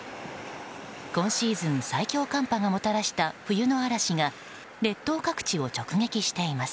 今シーズン最強寒波がもたらした冬の嵐が列島各地を直撃しています。